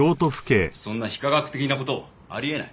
そんな非科学的な事あり得ない。